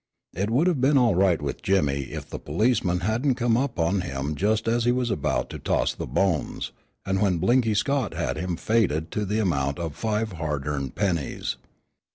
It would have been all right with Jimmy if the policeman hadn't come up on him just as he was about to toss the "bones," and when Blinky Scott had him "faded" to the amount of five hard earned pennies.